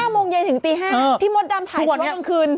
ห้ามงเย็นถึงตีห้าพี่มดดำถ่ายสักวันคืน